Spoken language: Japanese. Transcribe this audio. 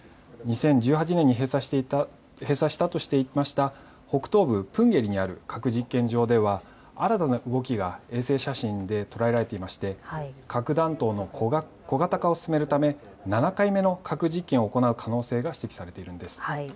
２０１８年に閉鎖したとしていた北東部プンゲリにある核実験場では新たな動きが衛星写真で捉えられていて核弾頭の小型化を進めるため７回目の核実験を行う可能性が指摘されています。